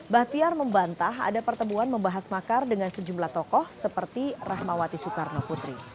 bahtiar membantah ada pertemuan membahas makar dengan sejumlah tokoh seperti rahmawati soekarno putri